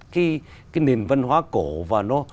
cái nền văn hóa cổ và nó